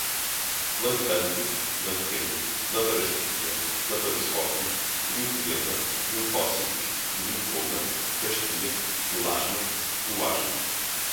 lactante, lactente, laparoscopia, laparoscópio, linfedema, linfócitos, linfoma, pastia, melasma, cloasma